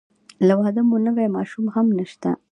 که واده مو نه وي ماشومان هم نشته.